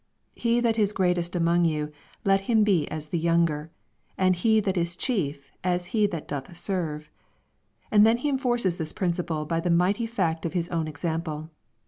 He that is greatest among you, let him be as the younger ; and he that is chief, as he that doth serve. And then He enforces this principle by the mighty fact of His own example.